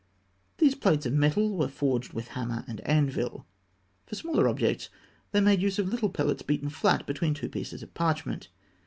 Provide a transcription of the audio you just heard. " These plates of metal were forged with hammer and anvil. For smaller objects, they made use of little pellets beaten flat between two pieces of parchment.